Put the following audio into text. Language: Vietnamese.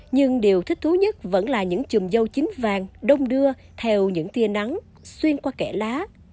nhưng điều thích thú nhất vẫn là những chùm dâu chín vàng đông đưa theo những tia nắng xuyên qua kẽ lá